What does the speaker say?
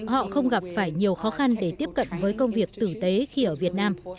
họ không gặp phải nhiều khó khăn để tiếp cận với công việc tử tế khi ở việt nam